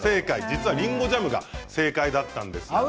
実はりんごジャムが正解だったんです。